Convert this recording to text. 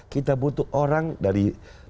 kita butuh orang dari